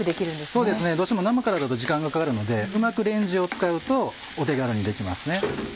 そうですねどうしても生からだと時間がかかるのでうまくレンジを使うとお手軽にできます。